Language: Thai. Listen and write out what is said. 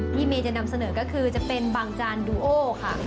เมย์จะนำเสนอก็คือจะเป็นบางจานดูโอค่ะ